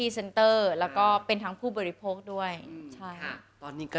สวัสดีค่ะ